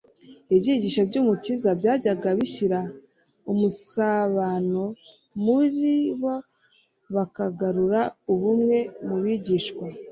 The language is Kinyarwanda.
ibyigisho by'Umukiza byajyaga gushyira umusabano muri bo bakagarura ubumwe mu bigishwa,